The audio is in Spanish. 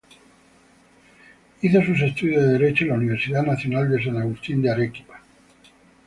Hizo sus estudios de Derecho en la Universidad Nacional de San Agustín de Arequipa.